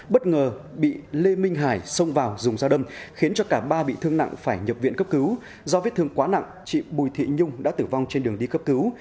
bất ngờ bị lê minh hải xông vào dùng dao đâm khiến cho cả ba bị thương nặng phải nhập viện cấp cứu do vết thương quá nặng chị bùi thị nhung đã tử vong trên đường đi cấp cứu